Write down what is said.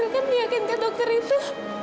kak fadil kan meyakinkan dokter itu